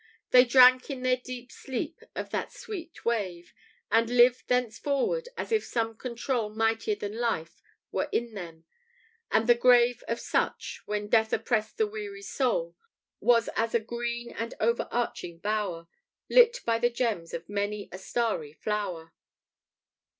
They drank in their deep sleep of that sweet wave, And lived thenceforward as if some control, Mightier than life, were in them; and the grave Of such, when death oppressed the weary soul, Was as a green and over arching bower Lit by the gems of many a starry flower."